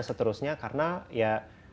seterusnya karena ya